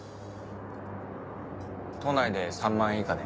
都内で３万円以下で。